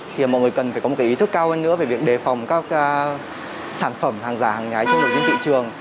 thì mọi người cần phải có một cái ý thức cao hơn nữa về việc đề phòng các sản phẩm hàng giả hàng nhái trong nội dung thị trường